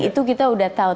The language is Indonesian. itu kita udah tau